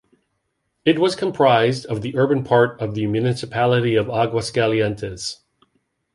It was comprised of the urban part of the municipality of Aguascalientes.